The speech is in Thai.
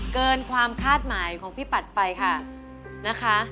เกินความคาดหมายของพี่ปัดไปค่ะนะคะ